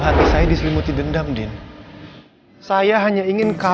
kamu selalu bikin mama pusing elsa